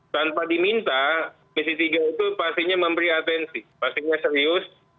tanpa diminta misi tiga itu pastinya memberi atensi pastinya serius